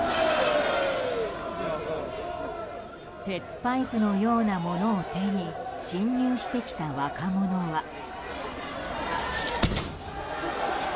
鉄パイプのようなものを手に侵入してきた若者は。